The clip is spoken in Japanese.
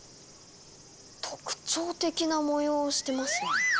特徴的な模様をしてますね。